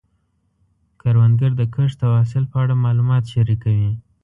کروندګر د کښت او حاصل په اړه معلومات شریکوي